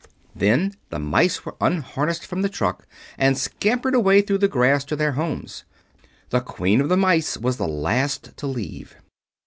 Then the mice were unharnessed from the truck and scampered away through the grass to their homes. The Queen of the Mice was the last to leave.